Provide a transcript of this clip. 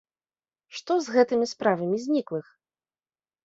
Што з гэтымі справамі зніклых?